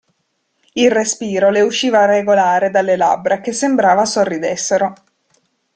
Il respiro le usciva regolare dalle labbra, che sembrava sorridessero.